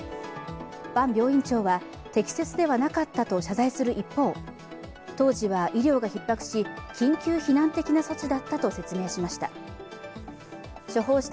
伴病院長は、適切ではなかったと謝罪する一方、当時は医療がひっ迫し緊急避難的な措置だったと説明しました。